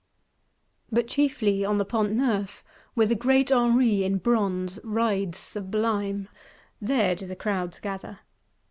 But chiefly on the Pont Neuf, where the Great Henri, in bronze, rides sublime; there do the crowds gather.